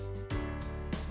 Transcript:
menarik tapi juga menarik